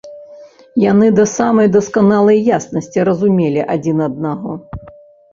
Яны да самай дасканалай яснасці разумелі адзін аднаго.